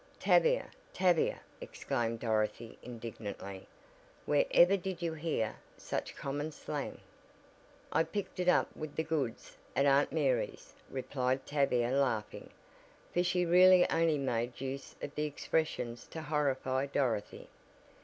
"Tavia, Tavia!" exclaimed Dorothy indignantly, "where ever did you hear such common slang!" "I picked it up with the 'goods' at Aunt Mary's," replied Tavia laughing, for she really only made use of the expressions to "horrify" Dorothy.